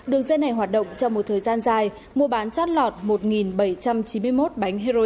đường dây này hoạt động trong một thời gian dài mua bán chót lọt một bảy trăm chín mươi một bánh heroin